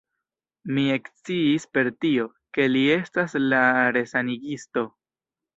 Mi eksciis per tio, ke li estas la resanigisto.